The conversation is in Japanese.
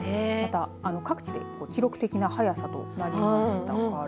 各地で記録的な早さとなりましたから。